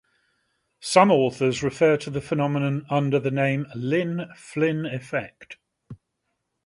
Some authors refer to the phenomenon under the name "Lynn-Flynn effect".